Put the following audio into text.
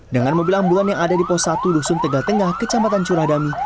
dengan mobil ambulan yang ada di pos satu dusun tegal tengah kecamatan curadami